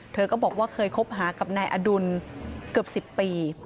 เธอก็บอกว่าเคยคบหากับนายอดุลเกือบ๑๐ปี